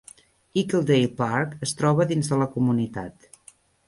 Eagledale Park es troba dins de la comunitat.